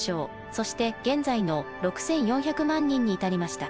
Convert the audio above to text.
そして現在の６，４００万人に至りました。